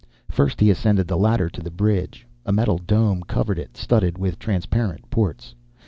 First he ascended the ladder to the bridge. A metal dome covered it, studded with transparent ports.